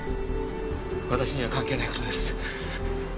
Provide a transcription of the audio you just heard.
私には関係ない事です。